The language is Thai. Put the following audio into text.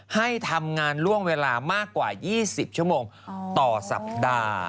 ให้ทำงานล่วงเวลามากกว่า๒๐ชั่วโมงต่อสัปดาห์